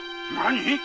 何？